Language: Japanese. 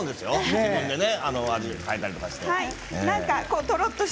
自分で味を変えたりして。